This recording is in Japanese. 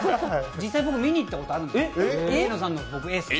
実際見にいったことあるんです、僕。